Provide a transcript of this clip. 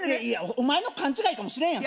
お前の勘違いかもしれんやん